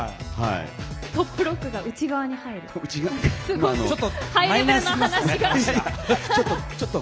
トップロックが内側に入ると。